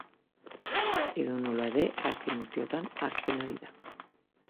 Edonola ere, azken urteotan hazten ari da.